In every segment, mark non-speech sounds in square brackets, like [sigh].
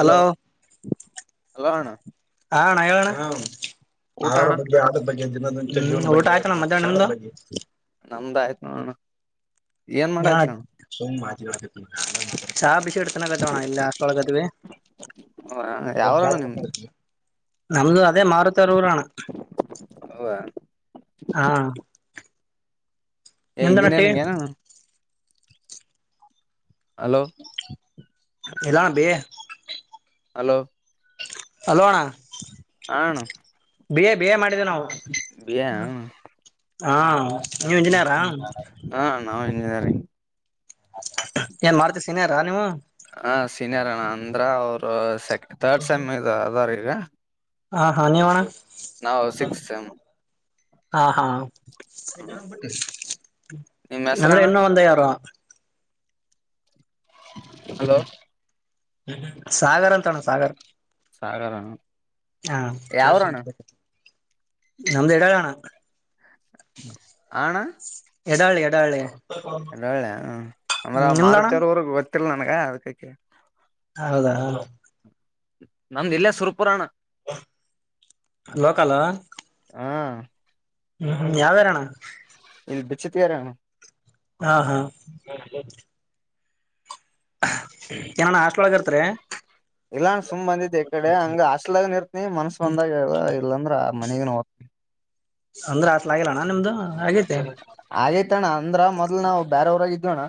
Hello hello ಹ ಆಗ್ಗೆ ಅಣ್ಣ ಬಗ್ಗೆ ನಮ್ದ ಆಯ್ತು ನೋಣ ಹ ಎತನ ಗಥಣ ಇಲ್ಲ ಆಥಳ ಗದೇ ಅಣ್ಣ ಯಾವರಣ್ಣ ನಿಮ್ದು ನಮ್ದು ಅದೇ ಮಾರುುತ್ತರೂರಣ ಹಾ ನಿಮ್ದಣ್ಣ ಟಿ ಇಂಜಿನಿಯರಿಂಗ್ ಹಲೋ ಎಲ್ಲ ನ ಬೇ ಹಲೋ ಹಲೋ ಅಣ್ಣ ಹನು ಬೇ ಬೇ ಮಾಡ ಎ ಅಣ್ಣ ಹಾ ನೀ ಇಂಜಿನಿಯಾರಾ ನಾವವು ಇಂಜಿನಿಯಾರಿಂಗ್ ಏನ್ ಮಾಡ್ತ ಸಿನಯಾರ ನೀವು ಹ ಸೀನಿಯರ್ ಅಣ್ಣ ಅಂದ್ರ ಅವರು ಸೆ ತಥರ್ಡ್ ಸೆಮ್ ಇ ಅದ್ರ ಈಗ ಹಾ ಹಾ ನೀವಣ ನಾವು ಸಿಕ್ಸ್ ಸಮ್ ಹಾ ಹಾ ನಿಮ್ ಅಂದ್ರೆ ಹೆಸರಣ್ಣ ಇನ್ನೂ ಒಂದ ಯಾರು ಹಲೋ ಸಾಗರ ಅಂತಣ್ಣ ಸಾಗರ ಸಾಗರ ಅಣ್ಣ ಹ ಯಾವೂರಣ್ಣ ನಂದ ಇಡಗಣ ಆಣ ಎಡಾಳಿ ಎಡಾಳಿ ಎ ಒಳ್ಳೆ ಅಂದ್ರ ನಿಮ್ದಣ್ಣ ಮಾರಚ್ರ್ ರ್ಗ್ ಗೊತ್ತಿಲ್ಲ ನನ್ಗ ಅದ್ಕಕ ಹೌದಾ ನಮ್ದುಲ್ಲ ಸುರಪುರಾಣ ಲೋಕಲ್ಲ ಹಾ ಹ್ಮ್ ಾವುವೇರಣ ನಿಲ್ಭ ತರಾನ ಹಾ ಹಾ ಏನಾನ ಹಾಸ್ಟೆಲ್ ಒಗ ಇರ್ತ್ರಿ ಎಲ್ಲಾ ತುಂಬ್ ಬಂದಿದ್ದ್ ಈ ಕಡೆ ಹಂಗ ಹಾಸ್ಲ್ಾಗ ಇರ್ತನಿ ಮನ್ಸ್ ಬಂದಾಗ ಇಲ್ಲಾಂದ್ರ ಆ ಮನಗ ಹೋಗತನಿ ಅಂಗ್ರ ಆತ್ಲಾಗಿಲ್ಲಲಾನ್ಣ ನಿಮ್ದು ಆಗೈತೆ ಆೇತಣ್ಣ ಅಂದ್ರ ಮೊದ್ಲ್ ನಾವು ಬೇರೆವರಾಗಿದ್ವಣ್ಣ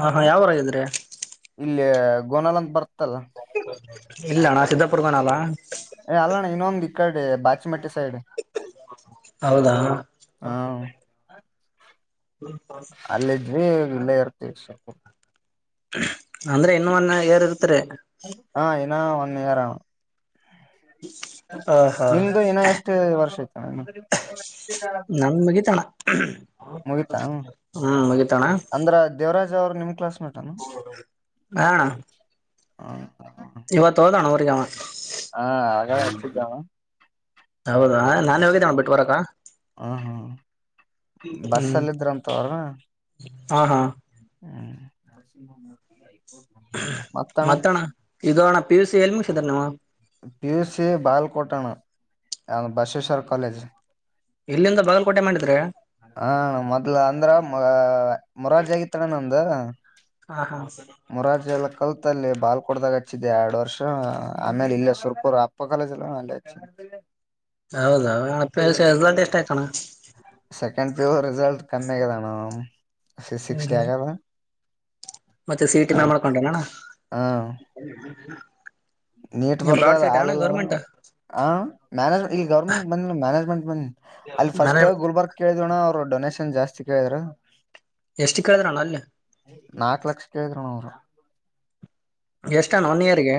ಹಾ ಹಾ ಯಾವರಾಗಿದ್ರೆ ಗೋನಾಲ ಬತ ಇಲ್ಲ ಅಣ್ಣ ಸಿದ್ದಪುರಣಲ್ಲ ಏ ಅಲ್ಲಣ ಇನ್ನೊಂದ್ ಇಕ್ಕಾಡೆ ಬಾಚಿಮೆಟ್ಟಿ ಸ ಹೌದಾ ಹಾ ಅಲ್ಲಿಜ ವಿಲಯರ್ತ ಸಕು ಅಂದ್ರೆ ಇನ್ನು ಮೊನ್ನ ಯಾರ ಇರ್ತಾರೆ ಹಾ ಒನ್ ಇಯರ್ ಹ ಹಾ ನಿಮ್ದು ಇನ್ನ ಎಷ್ಟು ವರ್ಷ ಐತಣ್ಣ ಇನ್ನ? ನನ್ ಮುಗಿತಣ ಮುಗಿತಾ ಹ್ಮ್ ಮುಗಿತಣ ಅವ್ರ ನಿ್ ಕ್ಲಸ್ ಹಣ ಹೌ ಇವತ್ತೊದಣ ಗಾಮನ್ ಹಾ ಆತಿದ್ದ ಹೌದಾ ನಾನು ಹೋಗಿದ್ದೇ ನ ಬಿಟ್ಟ ಬರಕ್ಕ ಬಸ್ಸಲ್ಲ ಇದ್ರಂತವರ ಹಾ ಹಾ ಹ್ಮ್ ಮತ್ತಣ ಮತ್ತ ಅಣ್ಣ ಈಗ ಅಣ್ಣ ಪಿ ಯು ಸಿ ಎಲ್ಲಿ ಮುಕ್ಸಿದ ನೀವ ಪಿ ಯುಸ್ಸ ಬಾಲಕೋಟಣ ಬಸವೇಶ್ವರ್ ಕಾಲೇಜ್ ಇಲ್ಲಿಂದ ಬಗಲ್ಕೋಟೆ ಮಾಡಿದ್ರೆ ಹಾ ಮೊದ್ಲ ಅಂದ್ರ ಮ ಮೊರಾಜ ಆಗತ್ತಣ್ಣ ನಂದ ಹಾ ಹಾ ಮೊರಾರ್ಿ ಎಲ್ಲ ಕಲ್ತಲ್ಲೇ ಬಾಲ ಕೊಡ್ದಾಗ ಹಚ್ಚಿದ್ದೆ ಎರಡ್ ವರ್ಷ ಆಮೇಲೆ ಇಲ್ಲ ಸುರ್ಕುರ್ ಅಪ್ಪ ಕಾಲೇಜ ಎಲ್ಲ ಅಲ್ಲೇ ಹಚ್ಚ ಹೌದ ಸೇ ಇಷ್ಟ ಆಣ ಸೆಕೆಂಡ್ ಪ್ಯೂರ್ ರಿಸಲ್ಟ್ ಕಮ್ಮಿ ಆಗದಣ್ಣ ಹ್ಮ್ ಸಿಕ್ಸ್ ಡಿ ಹ್ಮ್ ಆಗದ ಮತ್ತೆ ಸೀಟಿ ಮಾ ಮಾಡ್ಕೊಂಡಲ್ಲಣ ಹ ನೀಟ್ ಬರ್ದ ಅದ ಹಾಲಲ್ಲಣ ಗೌರ್ಮೆಂಟ್ ಹ ಮ್ಯಾನೇಜ್ಮ ಇಲ್ಲಿ ಗೌರ್ಮೆಂಟ್ ಬಂದ ಮ್ಯಾನೇಜ್ಮೆಂಟ್ ಬಂದ ಅಲ್ಲಿ ಫಸ್ಟ್ ನಾನೇ ಗುಲ್ಬರ್ಗ್ ಕೇಳಿದೋಣ ಅವ್ರ ಡೊನೇೇಶನ್ ಜಾಸ್ತಿ ಕೇಳಿದ್ರ ಎಷ್ಟು ಕೇಳಿದ್ರಣ್ಣ ಅಲ್ಲಿ ನಾಕ್ ಲಕ್ಷ ಕೇಳಿದ್ರ ನರು ಎಷ್ಟ ಅಣ್ಣ ಒನ್ ಇಯರಗೆ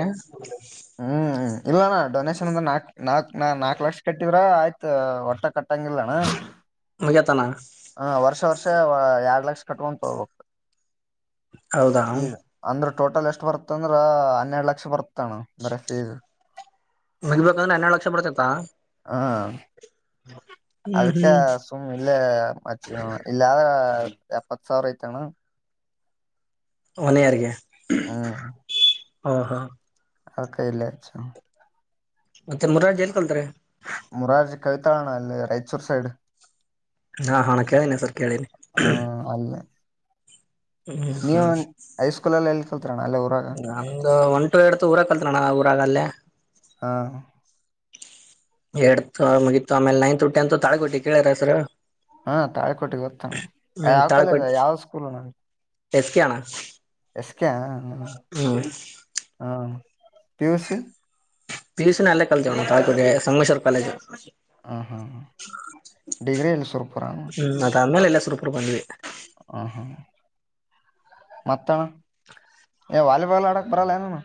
ಹ್ಮ್ ಇಲ್ಲಣ್ಣ ಡೊನೇೇಶನ್ ಅಂದ್ರ ನಾಕ್ ನಾಕ ನಾ ನಾಲ್ಕು ಲಕ್ಷ ಕಟ್ಟಿದ್ರ ಆಯ್ತ ಒಟ್ಟ ಕಟ್ಟಂಗಿಲ್ಲಣ ಮುಗಿಯತಾನ ಹ ವರ್ಷ ವರ್ಷ ಎರಡ್ ಲಕ್ಷ ಕಟ್ಕೊಂಡ ತೋಬೇಕು ಹೌದಾ ಈಗ ಅಂದ್ರ ಟೋಟಲ್ ಎಷ್ಟ ಬರ್ತ್ತ ಅಂದ್ರ ಹನ್ನೆರಡ್ ಲಕ್ಷ ಬರ್ತಣ ಅಂದ್ರೆ ಫೀಸ್ ಮಲ್ಬೇಕಂದ್ರೆ ಹನ್ನೆರಡು ಲಕ್ಷ ಬರ್ತತ್ತ ಹಾ ಅದಕ್ಕ ಹ್ಮ್ ಸುಮ್ಮ್ ಇಲ್ಲ ಹಾಚ್ಚ ಇಲ್ಲಾದ ಎಪ್ಪತ್ ಸಾವಿರ ಐತೆ ಅಣ್ಣ ಒನ ಇಯರ್ಗೆ ಹ್ಮ್ ಹಾ ಹಾ ಅಡಿಕೆ ಇಲ್ಲಚ್ಚಾ ಅಣ್ಣ [unintelligible] ಕಳ್ತಾಳ ಅಣ್ಣ ಅಲ್ಲೇ ರೈಚೂರ್ ಸೈಡ್ ಹಾ ಹಾ ಕೇಳನೆ ಹೆಸರು ಕೇಳೇನೆ ಹ್ಮ ಅಲ್ಲೇ ನೀವು ಹೈಸ್ಕೂಲ್ಲ್ಲಿ ಎ ನಂದು ಒಂಟು ತೋ ವೈಟ್ ಊರ ಕಲ್ತ್ರಣ ಊರಾಗಲ್ಲೇ ಹಾ ಎಡ್ತ ಮುಗಿತ ಆಮೇಲೆ ನೈನ್ತ್ ಟೆಂತ್ ತಾಳ್ಗೋಟ್ಟಿ ಕೇಳಾರ ಹೆಸರು ಹಾ ತಾಳೆಕೋಟೆಗೆ ಗ್ತಾನ ಹ್ಮ್ ಯಾವ ಕಾಲೇಜ ತಾಳಿಕೋಟಿ ಯಾವ್ ಸ್ಕೂಲ್ ನನ್ಗೆ ಎಸ್ ಕೆ ಅಣ್ಣ ಎಸ್ ಕೆ ಹ್ಮ್ ಹ್ಮ ಪಿಯುಸ ಪಿಯುಸಿ ನು ಅಲ್ಲೇ ಕಲ್ತಿನಿ ತಅಣ್ಣ ಸಂಗೇಶ್ವರ್ ಕಾಲೇಜ್ ಹ್ಮ್ ಹ್ಮ್ ಡಿಗ್ರಿ ಎಲ್ಲಿ ಸುರ್ಪರಾನ ಸೂಪ್ರರು ಬಂದ್ವಿ ಮತ ಅಣ್ಣ ವಲಿಬೊಲ್ ಅಡ ಬರಲ್ಲನು ಅಣ್ಣ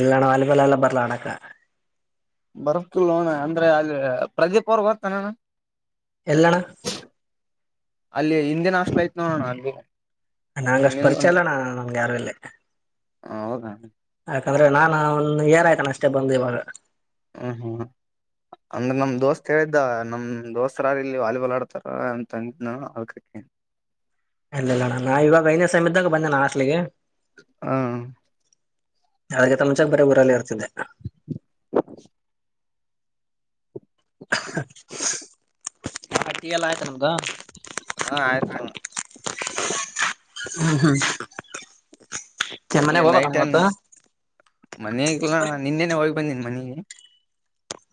ಎಲ್ಲ ಅಣ್ಣ ವಾಲಿಬಾಲ್ ಅಡಕ ಬರಲಾ ಅಣ್ಣ ಅಡಕ ಬರ್ಕಲ್ಣ ಅಂದ್ರೆ ಅಲ್ಲಿ ಪ್ರದೀಪ್ ಅವರ್ಗ್ ಗೋತಾ ಅಣ್ಣ ಎಲ್ಲ ಅಣ್ಣ ಅಲ್ಲಿ ಹಿಂದೆಿನ ಅಷ್ಟಲಯ್ತ್ ನೋಡಣ ನಂಗ ಅಷ್ಟು ಪರಿಚಯ ಅಲ್ಲಣ ನಮ್ಗೆ ಯಾರು ಇಲ್ಲ ಹೌದ ಏನು ಯಾಕಂದ್ರೆ ನಾನ ಒಂದು ಇಯರ್ಹತ್ತೂ ಅಷ್ಟೇ ಬಂದ ಇವಾಗ ಹ್ಮ್ ಅಂದ್ರ ನಮ್ ದೋಸ್ತ್ ಹೇಳಿದ್ದ ನಮ್ ದೋಸ್ತಾರ ಇಲ್ಲಿ ವಾಲಿಬಾಲ್ ಆಡ್ತಾರ ಅಂತಂದ್ ನ ಅದುಕ್ಕೆ ಕೆಲೇನ [inaudible] ಇಲ್ಲ ಇಲ್ಲಣ್ಣ ನಾ ಇವಾಗ ಐದನೇ ಸಮಯ್ದಾಗ ಬಂದೆನ ಹಾಸ್ಟೆಲ್ಗೆ ಹಾ ಆದ್ರೂಕಣಮುಚ್ಚಿ ಬರೆ ಊರಲ್ಲಿ ಇರ್ತಿದ್ದೆ [inaudible] [unintelligible] ಹಟ್ಟಿ ಎಲ್ಲ ಆಯ್ತಾ ನಮ್ದ ಹಾ ಆಯ್ತು ಅಣ್ಣ ಈಗ ಅಷ್ಟೇ [inaudible] ಈ ಮನೆಗೆ ಹೋಗ್ಬೇಕಣ್ಣ ನೈಟ್ ನ್ ಇವತ್ತು ಮನಗೆಲ್ಲ ಅಣ್ಣ ನಿನ್ನೆನೆ ಹೋಗಿ ಬಂದನಿ ಮನಗೆ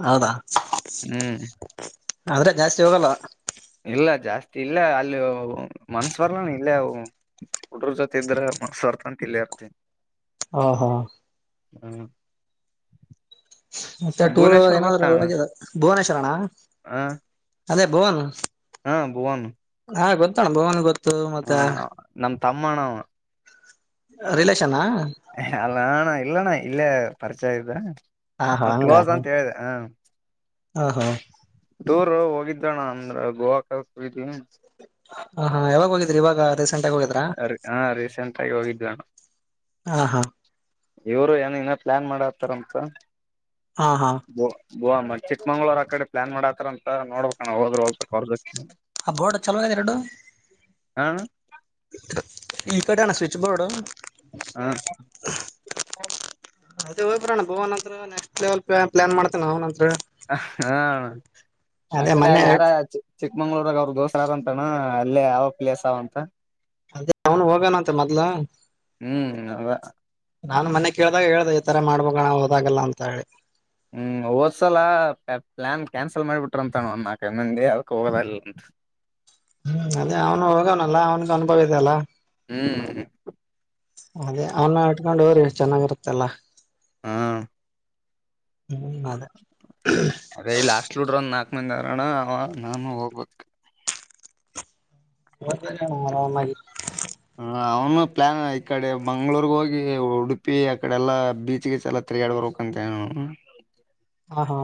ಹೌದಾ ಹ್ಮ್ ಆದ್ರೆ ಜಾಸ್ತಿ ಹೋಗಲ್ಲ ಇಲ್ಲ ಜಾಸ್ತಿ ಇಲ್ಲ ಅಲ್ಲಿ ಮನ್ಸ್ವರ್ಲ್ಲ ಇಲ್ಲೇ ಹಡ್ರ ಜೊತೆ ಇದ್ರೆ ಮಸ್ರ್ತನ್ ಕಲ್ಲಿ ಇರ್ತನಿ ಹಾ ಹಾ ಹ್ಮ ಮತ್ತೆ ಟೂರ್ ಏನಾದರು ಹಾಗ್ಯದ ಭುವನೇಶ್ವರ ಅಣ್ಣ ಹ ಅದೇ ಭೋವನ ಹಾ ಭುವನ ಹಾ ಗೊತ್ತೋಣ ಭವನ್ ಗೊ ಹ್ಮ ನಮ್ಮ ತಮ್ಮಣ ಅವ ರಿಲೇಶನ್ ಹಾ ಅಲ್ಲಣ ಇಲ್ಲಣ ಇಲ್ಲೇ ಪರಿಚಯ ಇದ್ದ ಹಾ ಹಾ ಹಂಗ ಕ್ಲೋಸ್ ಅಂತ ಹೇಳಿದೆ ಹ ಹ ಹಾ ಟೂರ್ ಹೋಗಿದ್ದಣ ಅಂದ್ರ ಗೋವಾ ಕದಕ ಹೋಗಿದ್ದವಿ ಹ ಹಾ ಯಾವಾಗ ಹೋಗಿದ್ರಿ ಇವಾಗ ರೀಸೆಂಟ್ ಆಗಿ ಹೋಗಿದ್ರಾ ಅ ಹಾ ರೀಸೆಂಟ್ ಆಗಿ ಹೋಗಿದವಿ ಅಣ್ಣ ಹಾ ಹಾ ಇವ್ರು ಏನ ಇನ ಪ್ಲಾನ್ ಮಾಡತಾರಂತ ಹಾ ಹಾ ಬುವ ಚಿಕ್ಕಮಂಗಳೂರ್ ಆ ಕಡೆ ಪ್ಲಾನ್ ಮಾಡಕತಾರ ಅಂತ ನೋಡ್ಬೇಕಣ ಹೋದ್ರರು ಹೋಗಬೇಕ ಅವರ ಜೋತಿ ಆ ಬೋರ್ಡ್ ಚಲೋ ಆಗ್ಯದ ಎರಡು ಹ ಈ ಕಡೆಣ್ಣ ಸ್ವಿಚ್ ಬೋರ್ಡ್ ಹ [unintelligible] ಅದ ಹೂಗಿ ಬರಣ ಭುವನಂತರ ನೆಕ್ಸ್ಟ್ ಲೆವಲ್ ಪ್ಲಾನ್ ಮಾಡ್ತನ ಅವನ ಹತ್ರ ಹಾ ಅದೇ ಮೊನ್ನೆ ಅಕ್ಕಡೆಲ್ಲ ಯಾರ ಚಿಕ್ಕಮಂಗಳೂರಾಗ ಅವ್ರಗ ದೋಸ್ತರ ಆರ ಅಂತಣ್ಣ ಅಲ್ಲೇ ಯಾವ ಪ್ಲೇಸ್ ಅವಂತ ಅದೇ ಅವನು ಹೋಗಾನಂತೆ ಮೊದ್ಲ ಹ್ಮ್ ಅದ ನಾನು ಮನ್ನೆ ಕೇಳ್ದಾಗ ಹೇಳ್ದ ಈ ತರ ಮಾಡ್ಬೇಕಣ್ಣ ಹೋದಾಗಲ್ಲ ಅಂತ ಹೇಳಿ ಹ್ಮ್ ಓದ್ಸಲ ಪ್ಲಾನ್ ಕ್ಯಾನ್ಸಲ್ ಮಾಡಿಬಿಟ್ರ ಅಂತಾ ಒಂದನಾಕ ಐದ ಮಂದಿ ಅದಕ್ ಹೋಗದಾಗಿಲ್ಲಂತ ಹ್ಮ್ ಅದೇ ಅವನು ಹೋಗೋವನಲ್ಲ ಅವನ್ಗ ಅನುಭವ ಇದೆ ಅಲ್ಲ ಹ್ಮ್ ಅದೇ ಅವನ್ನ ಇಟ್ಕೊಂಡ ಹೋರಿ ಚೆನ್ನಾಗಿರುತ್ತಲ್ಲ ಹಾ ಹ್ಮ ಅದೇ ಅದೇ ಹಾಸ್ಟೆಲ್ ಹುಡ್ರ ನಾಕ ಮಂದ ಆರಣ ಅವ ನಾನು ಹೋಗ್ಬಕ್ ಹೋಗ ಬರಿ ಆರಾಮಾಗಿ ಹ ಅವನು ಪ್ಲಾನ್ ಈಕಡೆ ಮಂಗ್ಳೂರಗ ಹೋಗಿ ಉಡುಪಿ ಅಕಡೆಲ್ಲಾ ಬೀಚ್ಗೆ ಚಲತ್ತ ತಿರಗಾಡ್ ಬರ್ಬೇಕ್ಂತ ಹೇಳ ಹಾ ಹಾ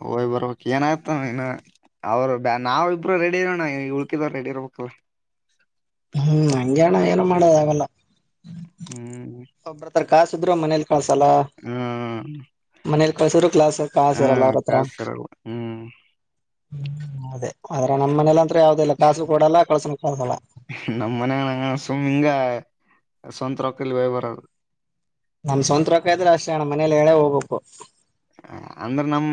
ಹೋಗಿಬರಬೇಕ ಏನತಾದಿನ ಅವರು ಬ ನಾವ ಇಬ್ರು ರೆಡಿ ಇರೋಣ ಈ ಉಳ್ಕಿದವರು ರೆಡಿ ಇರ್ಬೇಕಲ್ಲ ಹ್ಮ್ ಹಂಗೆಣ ಏನ ಮಾಡೋದ ಅಗಲ್ಲ ಹ್ಮ್ ಕಾಸಿದ್ರ ಮನೇಲಿ ಕಳ್ಸಲ್ಲ ಹ್ಮ ಕ್ಲಾಸಲ್ಲ ಕಾಸಿರಲ್ಲ ಅವ್ರ ಹತ್ರ ಇರಲ್ಲ ಹ್ಮ್ ಹ್ಮ ಅದೇ ಆದ್ರ ನಮ್ಮ ಮನಲಂತ್ರ ಯಾವ್ದ ಇಲ್ಲ ಕಾಸು ಕೊಡಲ್ಲ ಕಳ್ಸೂನು ಕಳಸಲ್ಲ ನಮ್ಮ್ ಮನ ಸುಮ್ಮಿಂಗ ಸ್ವಂತ ರೊಕ್ಕಲ್ ಹೋಗಿ ಬರದು ನಮ್ ಸ್ವಂತ ರೂಕ ಇದ್ರ ಅಷ್ಟೇ ಅಣ್ಣ ಮನೇಲಿ ಹೇಳೆ ಹೋಗ್ಬೇಕು ಅಂದ್ರೆ ನಮ್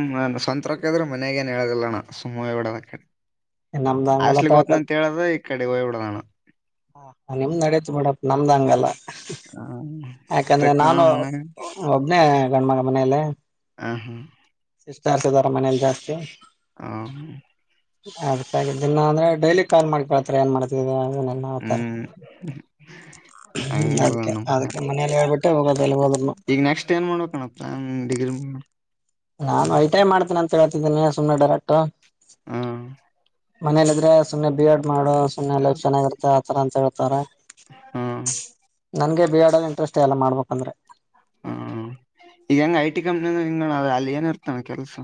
ಸ್ವಂತ ರೊಕ್ಕ ಇದ್ರ ಮನೆಗೇಏನ್ ಹೇಳೋದಿಲ್ಲಣ ಸುಮ್ಮ ಹೋಗಿ ಬಿಡದ ಅಕಡಿ ನಮ್ದ್ ಹಂಗಲ್ಲ ಹಾಸ್ಲಿಗ್ ಪ್ಯಾಕ ಹೋತಿನಿ ಅಂತ ಹೇಳುದ ಈ ಕಡೆ ಹೋಗಬಿಡದ ಅಣ್ಣ ಹ ನಿಮ್ದ್ ನಡತ ಬೀಡಪ್ ನಮ್ದ್ ಹಂಗಲ್ಲ ಯಾಕಂದ್ರೆ ಸ್ಟ್ರಿಕ್ಟ್ ಅಣ್ಣ ನಾನು ಮನ್ಯಾಗ ಒಬ್ನೇ ಗಂಡ್ಮಗ ಮನೇಲ್ಲ ಹ ಹಾ ವಿತಸಿದಾರ ಮನೇಯಲ್ಲಿ ಜಾಸ್ತಿ ಹ ಅದಕ್ಕಿನ ಅಂದ್ರ ಡೈಲಿ ಕಾಲ್ ಮಾಡಿಕೇಳ್ತಾರೆ ಏನ್ ಮಾಡ್ತ ಅ ಹ್ಮ್ ಹ ಹ್ಮ್ ಹಂಗಿಲ್ಲ ಅದಕ್ಕೆ ನಮ್ ಮನ್ಯಾಗ. ಅದ್ಕ್ಕೆ ಮನೇಯಲ್ಲಿ ಹೇಳ್ಬಿಟ್ಟೆ ಹೋಗೋದಲ್ಲಿ ಹೋದನ್ನು ಹ ನಾನ್ ಐಟಾಯ ಮಾಡ್ತೇನೆ ಅಂತ ಹೇಳ್ತಿದ್ದೀನಿ ಸುಮ್ಮನೆ ಡರಟ ಹಾ ಮನೇಲಿ ಇದ್ರೆ ಸುಮ್ಮ್ನೆ ಬಿ ಎಡ್ ಮಾಡು ಸುನೆ ಎ ಚೆನ್ನಾಗಿರುತ್ತೆ ಆತರ ಅಂತ ಹೇಳ್ತಾರೆ ಹಾ ನನ್ಗೆ ಬಿ ಆಡ ಇಂಟ್ರೆಸ್ಟ್ ಷ್ಟೆ ಎಲ್ಲ ಮಾಡ್ಬೇಕಂದ್ರೆ ಹಾ ಈಗ ಹೆಂಗಗೆ ಐ ಟಿ ಕಂಪ್ನಿ ಹಂಗೋಣ ಅಲ್ಲಿ ಏನ ಇರ್ತಾನ ಕೆಲ್ಸ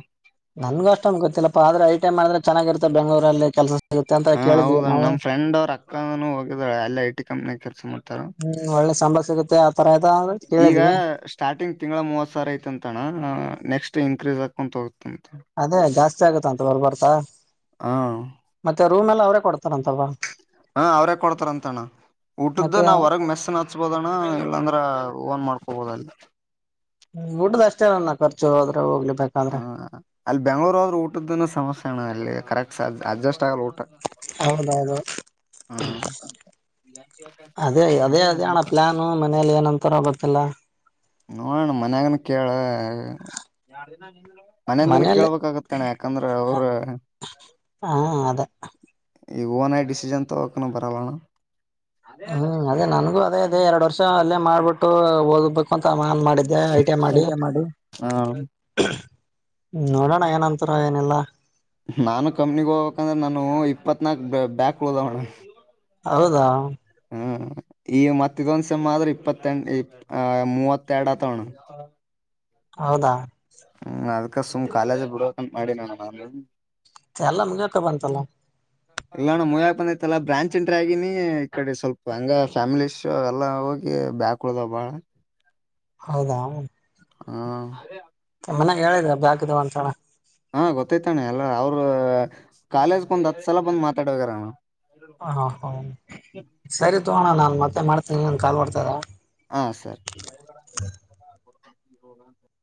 ನನ್ಗ ಅಷ್ಟ ಅ ಗೊತ್ತಿಲ್ಲಪ್ಪ ಆದ್ರೆ ಐಟೈಮ್ಗಿತ್ತ ಚೆನ್ನಾಗಿರುತ್ತೆ ಬೆಂಗಳೂರಲ್ಲಿ ಕೆಲಸ ಸಿಗುತ್ತೆ ಅಂತ ಹಾ ಕೇಳಿದ್ವಿ ಹೌದ್ ನಾವು ನಮ್ ಫ್ರೆಂಡ್ ಅವರು ಅಕ್ಕಂದನೂ ಹೋಗಿದ ಎಲ್ಲ ಐ ಟಿ ಕಂಪ್ನಿ ಕೆಲ್ಸ ಮಾಡ್ತಾರ ಹ್ಮ್ ಒಳ್ಳೆ ಸಂಬಳ ಸಿಗುತ್ತೆ ಆತರ ಆಯ್ತ ಈಗ ಕೇಳಿದ್ವಿ ಸ್ಟಾರ್ಟಿಂಗ್ ತಿಂಗಳ ಮೂವತ್ ಸಾವ ಐತ ಅಂತಣ ನೆಕ್ಸ್ಟ್ ಇನ್ಸ್ ಹಾಕೊಂಡು ತಗೋಗತಿ ಅದೇ ಜಾಸ್ತಿ ಆಗುತ್ತ ಅಂತ ಬರ್ಬಾರತಾ ಹ ಮತ್ತೆ ರೂಮ್ ಎಲ್ಲ ಅವ್ರೇ ಕೊಡ್ತಾರಂತಲ್ ಹಾ ಅವ್ರೇ ಕೊಡ್ತಾರಂತಣ್ಣ ಊಟದ್ದು ಮತ್ತೆ ನಾವವು ಹೊರಗ್ ಮೆಸ್ಸನ್ ಹಚ್ಬೋದಣ ಇಲ್ಲಾಂದ್ರ ಓನ್ ಮಾಡ್ಕೊಬೋದ ಅಲ್ಲಿ ಊಡ್ಡ್ದ್ ಅಷ್ಟೇ ಅಣ ಖರ್ಚು ಹೋದ್ರೆ ಹೋಗ್ಲಿ ಬೇಕಂದ್ರೆ ಹ ಅಲ್ಲಿ ಬೆಂಗಳೂರ ಊಟದನ ಸಮಸ್ಯೆ ಅಣ ಅಲ್ಲಿ ಕರೆಕ್ಟ್ ಅಜಸ್ಟ್ ತ್ತೋಟ ಹೌದೌದು ಹ್ಮ ಅದೇ ಅದೇ ಅದೇ ಅಣ್ಣ ಪ್ಲಾನು ಮನೇಲಿ ಏನಂತಾರ ಗೊತ್ತಿಲ್ಲ ನೋಣ ಮನ್ಯಾಗನ್ ಕೇಳ ಮನೆಯಂದನ ಮನೇಲಿ ಕೇಳ್ಬೇಕಾಗತ್ತೇನೆ ಯಾಕಂದ್ರೆ ಅವ್ರ ಹಾ ಅದೇ ಈ ಓನ್ ಐ ಡಿಸಿಜನ್ ತ ಒಕನ ಬರಾಲಣ ಹ್ಮ್ ಅದೇ ನನ್ಗೂ ಅದೇ ಅದೇ ಎರಡ್ ವರ್ಷ ಅಲ್ಲೇ ಮಾಡ್ಬಿಟ್ಟು ಓದ್ಬೇಕುಂತ ಆನ್ ಮಾಡಿದ್ದೆ ಐಟಿ ಐ ಮಾಡಿ ಟಿ ಐ ಹ ನೋಡೋಣ ಏನಂತಾರ ಏನೆಲ್ಲಾ ನಾನು ಕಮ್ಮನಿ ಹೋಗ್ಬೇಕಂದ್ರೆ ನಾನು ಇಪ್ಪತ್ನಾಕಕ್ ಬ್ಯಾಗದ ಮೇಡಮ್ ಹೌದಾ ಹ್ಮ್ ಈ ಮತ್ತ ದಿವಸ ಮಾತ್ರರಿ ಇಪ್ಪತ್ತಂ ಆ ಮೂವತ್ತಡ ತವಣ ಹೌದಾ ಹ್ಮ್ ಅದ್ಕ ಸುಮ್ ಕಾಲೇಜ್ ಬಿಡಕ ಮಾಡಿ ನ ಎಲ್ಲ ಮುಂಗಕ ಬಂತಲ್ಲ ಇಲ್ಲ ನಮ್ ಮು್ಯಾಾಕ್ ಬಂದೈತಲ್ಲ ಬ್ರಾಂಚ್ ನ್ ಆಗಿನಿ ಈ ಕಡೆ ಸ್ವಲ್ಪ ಹಂಗ ಫ್ಯಾಮಿಲಿ ಇಶ್ಯ ಎಲ್ಲ ಹೋಗಿ [unintelligible] ಹೌದಾ ಹ್ಮ ಮನ್ಯಾಗ ಹೇಳಿದೆ ಬ್ಯಾಕಿದಾವ್ ಅಂತಣ್ಣ ಹಾ ಗೊತ್ತೈತಣ್ಣ ಎಲ್ಲ ಅವರು ಕಾಲೇಜ್ಗೆ ಒಂದ್ ಹತ್ ಸಲ ಬಂದ್ ಮಾತಾಡೋಗ್ಯಾರಣಾ ಹಾ ಹಾ ಸರಿ ತಗೋಣ ನಾನ್ ಮತ್ತೆ ಮಾಡ್ತೀನಿ ಇನ್ ಕಾಲ್ ಮಾಡಡ್ತಾರಾ [inaudible] ಹೋಗ